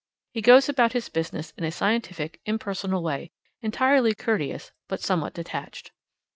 He goes about his business in a scientific, impersonal way, entirely courteous, but somewhat detached.